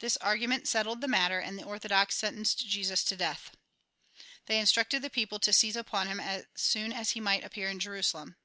This argu ment settled the matter, and the orthodox sentenced Jesus to death. They instructed the people to seize upon him as soon as he might appear in Jerusalem.